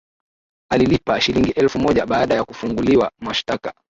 Alilipa Shilingi Elfu moja baada ya kufunguliwa mashtaka